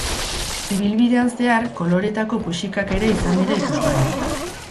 Ibilbidean zehar, koloretako puxikak ere izan dira ikusgai.